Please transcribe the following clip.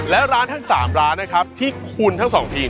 และร้านทั้ง๓ร้านนะครับที่คุณทั้งสองทีม